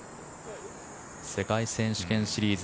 世界選手権シリーズ